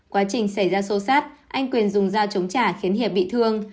quá trình xảy ra sâu sát anh quyền dùng dao chống trả khiến hiệp bị thương